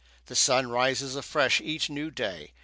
The sun rises afresh each new day.